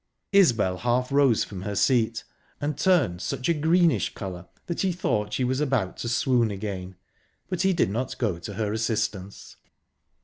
Isbel half rose from her seat, and turned such a greenish colour that he thought she was about to swoon again, but he did not go to her assistance.